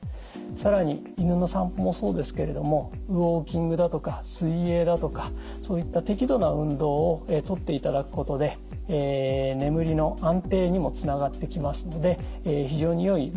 更に犬の散歩もそうですけれどもウォーキングだとか水泳だとかそういった適度な運動をとっていただくことで眠りの安定にもつながってきますので非常によいルーティンだと思います。